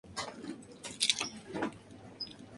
A cada lado del cuerpo que sobresale, hay dos ventanas por piso.